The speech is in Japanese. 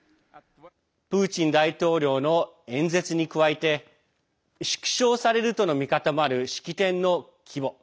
プーチン大統領の演説に加えて縮小されるとの見方もある式典の規模。